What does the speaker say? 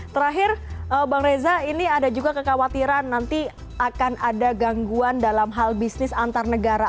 terakhir bang reza ini ada juga kekhawatiran nanti akan ada gangguan dalam hal bisnis antar negara